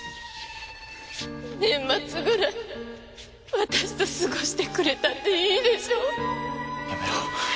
年末くらい私と過ごしてくれたっていいでしょ？